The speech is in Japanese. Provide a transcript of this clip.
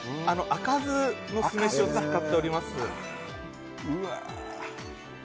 赤酢の酢飯を使っております。